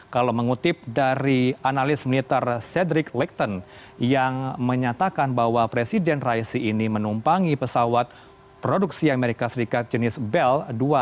kalau mengutip dari analis militer sedric lightten yang menyatakan bahwa presiden raisi ini menumpangi pesawat produksi amerika serikat jenis bell dua ratus dua puluh